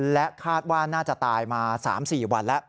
และคาดว่าน่าจะตายมา๓๔วันแล้ว